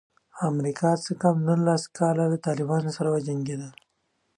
امریکا څه کم نولس کاله له طالبانو سره وجنګېده.